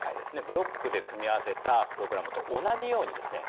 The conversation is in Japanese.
ブロックで組み合わせたプログラムと同じようにですね